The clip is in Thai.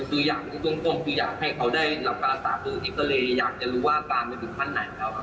คืออยากให้เขาได้รับการอาศาสตร์อยากจะรู้ว่าอาการไปถึงขั้นไหน